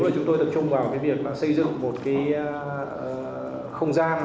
chúng tôi tập trung vào việc xây dựng một không gian